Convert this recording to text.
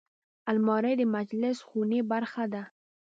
الماري د مجلس خونې برخه ده